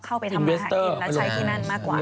เข้าไปทำมาหากินและใช้ที่นั่นมากกว่า